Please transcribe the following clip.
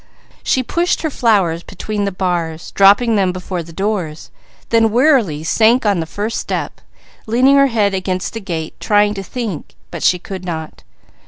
She pushed her flowers between the bars, dropping them before the doors, then wearily sank on the first step, leaning her head against the gate, trying to think, but she could not.